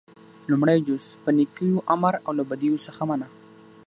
لومړی جز - په نيکيو امر او له بديو څخه منع: